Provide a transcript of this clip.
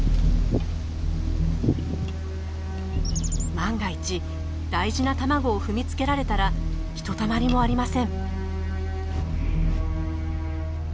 万が一大事な卵を踏みつけられたらひとたまりもありません。